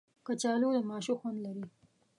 کچالو د ماشو خوند لري